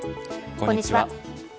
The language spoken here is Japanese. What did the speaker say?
こんにちは。